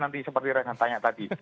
nanti seperti rekan tanya tadi